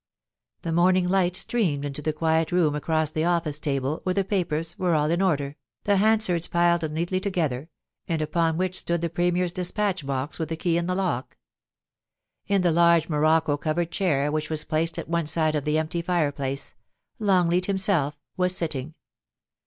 The morning light streamed into the quiet room across the office table, where the papers were all in order, the Hansards piled neatly together, and uiK)n which stood the Premier's despatch box with the key in the lock. In the large morocco covered chair which was placed at one side of the empty fireplace, Longleat himself was sitting.